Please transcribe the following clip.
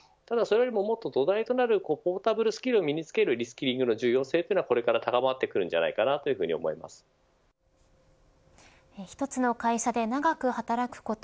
それよりももっと土台となるポータブルスキルを身につけるリスキーリングの重要性がこれから高まってくると１つの会社で長く働くこと